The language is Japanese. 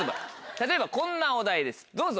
例えばこんなお題ですどうぞ。